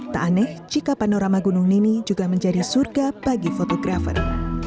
tak aneh jika panorama gunung nimi juga menjadi surga bagi fotografer